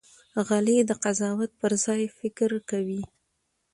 غلی، د قضاوت پر ځای فکر کوي.